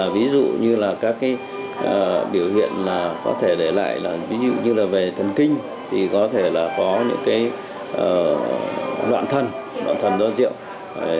ví dụ như là các cái biểu hiện có thể để lại là ví dụ như là về thần kinh thì có thể là có những cái loạn thần loạn thần do rượu